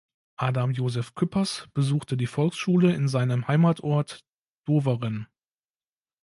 Adam Josef Cüppers besuchte die Volksschule in seinem Heimatort Doveren.